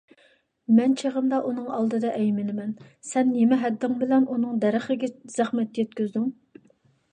مەن چېغىمدا ئۇنىڭ ئالدىدا ئەيمىنىمەن، سەن نېمە ھەددىڭ بىلەن ئۇنىڭ دەرىخىگە زەخمەت يەتكۈزدۈڭ؟